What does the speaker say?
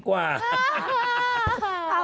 สานะ